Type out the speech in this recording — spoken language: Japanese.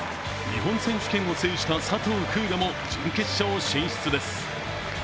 日本選手権を制した佐藤風雅も準決勝進出です。